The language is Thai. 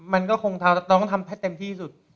มันก็คงต้องทำให้เต็มที่สุด